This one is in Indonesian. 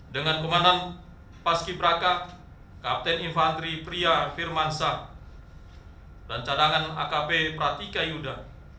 dengan pemanan paski braka kapten infantri priya firmansa dan cadangan akp pratika yuda